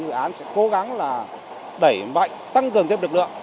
giai đoạn bốn làn xe